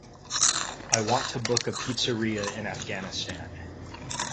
I want to book a pizzeria in Afghanistan.